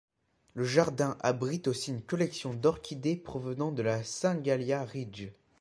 Le jardin abrite aussi une collection d'orchidées provenant de la Singalia Ridge.